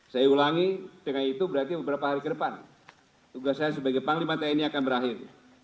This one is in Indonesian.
saya ulangi dengan itu berarti beberapa hari ke depan tugas saya sebagai panglima tni akan berakhir